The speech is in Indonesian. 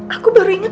aku baru inget